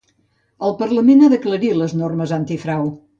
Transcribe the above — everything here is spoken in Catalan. El Parlament ha d'aclarir les normes antifrau.